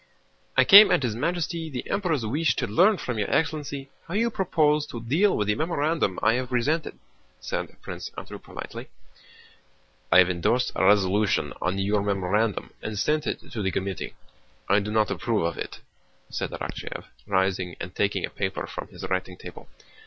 "I came at His Majesty the Emperor's wish to learn from your excellency how you propose to deal with the memorandum I have presented," said Prince Andrew politely. "I have endorsed a resolution on your memorandum and sent it to the committee. I do not approve of it," said Arakchéev, rising and taking a paper from his writing table.